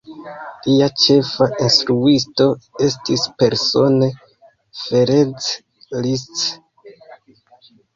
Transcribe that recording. Lia ĉefa instruisto estis persone Ferenc Liszt.